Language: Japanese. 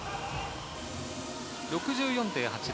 ６４．８０。